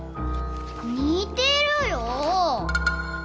似てるよ！